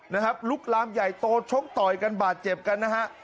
นะครับลุกลามใหญ่โตชกต่อยกันบาดเจ็บกันนะฮะ